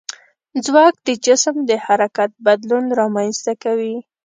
ځواک د جسم د حرکت بدلون رامنځته کوي.